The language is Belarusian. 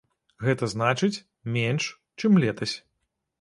Гэта значыць, менш, чым летась.